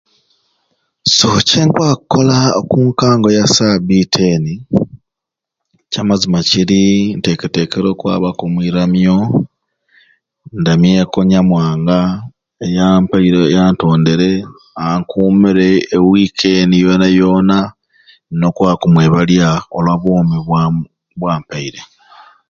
So kyenkwaba okukola oku nkangao ya sabiti eni ekyamazima kirir nteketekere okwabaku omwiramyo ndamyeku onyamwanga eyampirye eyantindere ankumire e week eni yona yona n'okwaba okumwebalya olwa bwomi bwa bwampeyirye